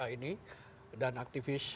ini dan aktivis